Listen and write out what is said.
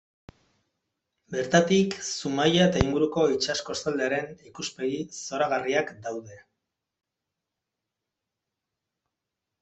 Bertatik Zumaia eta inguruko itsas kostaldearen ikuspegi zoragarriak daude.